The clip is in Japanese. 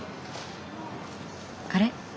あれ？